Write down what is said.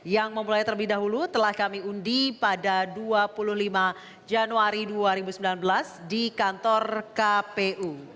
yang memulai terlebih dahulu telah kami undi pada dua puluh lima januari dua ribu sembilan belas di kantor kpu